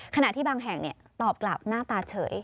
ขณะที่บางแห่งตอบกลับหน้าตาเฉย